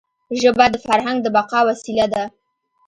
ژبه د فرهنګ د بقا وسیله ده.